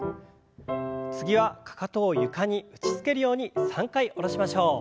次はかかとを床に打ちつけるように３回下ろしましょう。